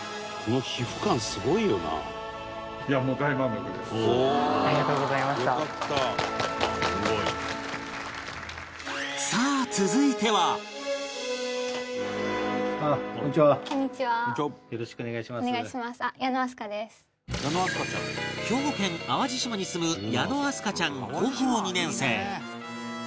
すごい。「よかった」「すごい」さあ兵庫県淡路島に住む矢野明日香ちゃん高校２年生